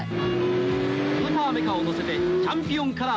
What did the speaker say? スーパーメカをのせてチャンピオンカラーで新発売。